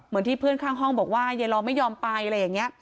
เหมือนที่เพื่อนข้างห้องบอกว่ายายรอไม่ยอมไปอะไรอย่างนี้